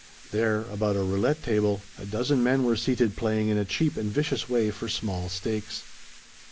There, about a roulette table, a dozen men were seated playing in a cheap and vicious way for small stakes.